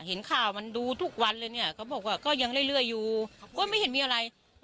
เห็นข่าวมันดูทุกวันเลยเนี่ยเขาบอกว่าก็ยังเรื่อยอยู่ก็ไม่เห็นมีอะไร